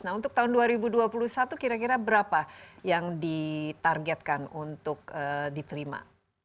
nah untuk tahun dua ribu dua puluh satu kira kira berapa yang ditargetkan untuk diterima